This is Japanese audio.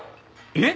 えっ！